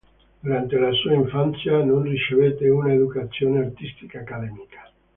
Durante la sua infanzia non ricevette una educazione artistica accademica.